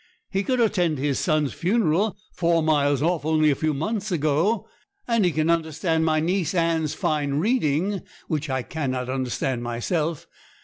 He could attend his son's funeral four miles off only a few months ago; and he can understand my niece Anne's fine reading, which I cannot understand myself.